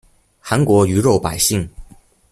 韓國魚肉百姓